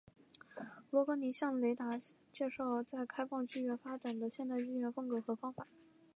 罗格尼向雷达介绍在开放剧院发展的现代剧院风格和方法。